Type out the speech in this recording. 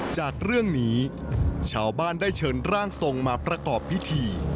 จากเรื่องนี้ชาวบ้านได้เชิญร่างทรงมาประกอบพิธี